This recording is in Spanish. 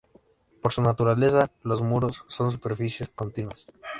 Por su naturaleza, los muros son superficies continuas.